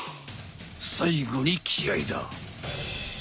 最後に気合いだ！